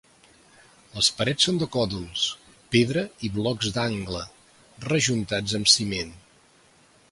Les parets són de còdols, pedra i blocs d'angle, rejuntats amb ciment.